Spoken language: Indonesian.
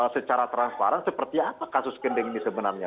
secara transparan seperti apa kasus kendeng ini sebenarnya